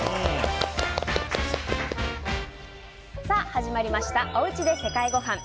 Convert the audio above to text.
始まりましたおうちで世界ごはん。